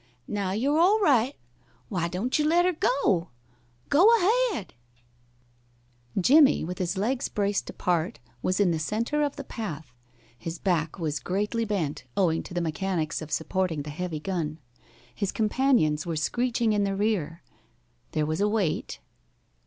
Now you're all right. Why don't you let'er go? Go ahead." [Illustration: "THERE WAS A FRIGHTFUL ROAR"] Jimmie, with his legs braced apart, was in the centre of the path. His back was greatly bent, owing to the mechanics of supporting the heavy gun. His companions were screeching in the rear. There was a wait.